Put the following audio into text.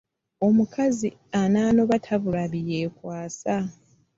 Omukazi ananoba tabula bye yekwaasa .